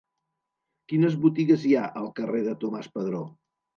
Quines botigues hi ha al carrer de Tomàs Padró?